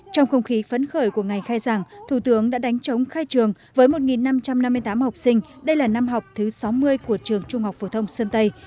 trong không khí phấn khởi của ngày khai giảng thủ tướng đã đánh trống khai trường với một năm trăm năm mươi tám học sinh đây là năm học thứ sáu mươi của trường trung học phổ thông sơn tây